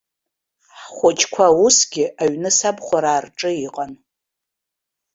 Ҳхәыҷқәа усгьы аҩны сабхәараа рҿы иҟан.